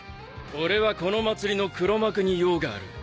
俺はこの祭りの黒幕に用がある。